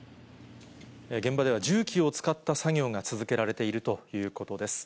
現場では重機を使った作業が続けられているということです。